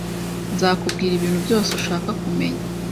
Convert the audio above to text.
Nzakubwira ibintu byose ushaka kumenya